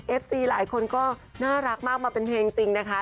ซีหลายคนก็น่ารักมากมาเป็นเพลงจริงนะคะ